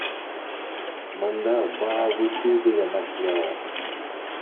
Мында баа бычуу деген маселе бар.